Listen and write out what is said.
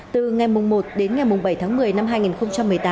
từ ngày một đến ngày bảy tháng một mươi năm hai nghìn một mươi tám